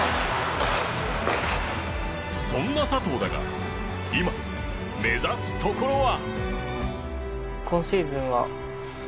そんな佐藤だが今目指すところは。